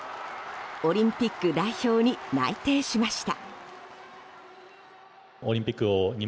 オリンピック代表に内定しました。